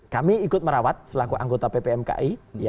kami ikut merawat selaku anggota ppmki